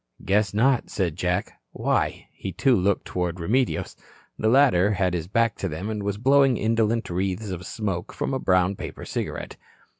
"Guess not," said Jack. "Why?" He, too, looked toward Remedios. The latter had his back to them and was blowing indolent wreaths of smoke from a brown paper cigarette.